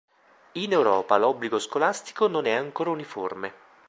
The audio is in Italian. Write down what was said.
In Europa l'obbligo scolastico non è ancora uniforme.